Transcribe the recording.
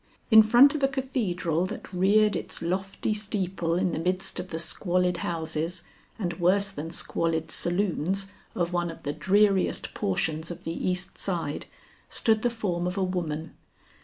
In front of a cathedral that reared its lofty steeple in the midst of the squalid houses and worse than squalid saloons of one of the dreariest portions of the East Side, stood the form of a woman.